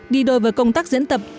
đi đôi với công tác diễn tập